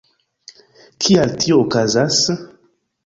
Kial tio okazas?